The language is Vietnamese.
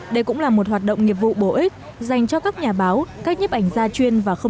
đây cũng là một hoạt động nghiệp vụ bổ ích dành cho các nhà báo